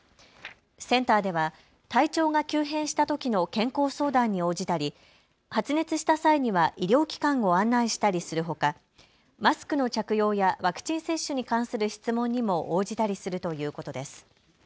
センターでは体調が急変したときの健康相談に応じたり発熱した際には医療機関を案内したりするほか、マスクの着用やワクチン接種に関する質問にも応じたりするということです。